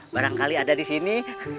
barangkali ada di sini